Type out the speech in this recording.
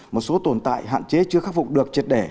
một số tồn tại hạn chế chưa khắc phục được triệt đẻ